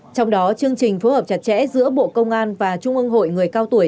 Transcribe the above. trong đó chương trình phối hợp chặt chẽ giữa bộ công an và trung ương hội người cao tuổi